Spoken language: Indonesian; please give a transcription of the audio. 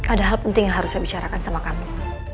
ada hal penting yang harus saya bicarakan sama kami